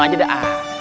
kita bawa dia